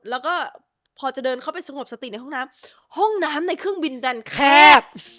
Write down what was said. แล้วก็พอจะเดินเข้าไปสงบสติในห้องน้ำห้องน้ำในเครื่องบินดันแคบ